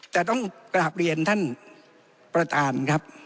แต่ต้องกราบเรียนท่านประธานครับ